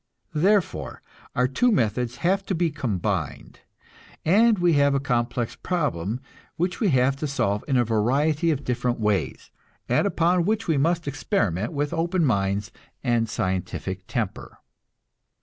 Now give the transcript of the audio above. Therefore, our two methods have to be combined, and we have a complex problem which we have to solve in a variety of different ways, and upon which we must experiment with open minds and scientific temper.